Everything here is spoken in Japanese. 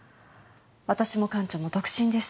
私も館長も独身です。